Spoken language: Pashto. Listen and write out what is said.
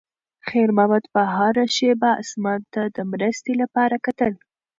خیر محمد به هره شېبه اسمان ته د مرستې لپاره کتل.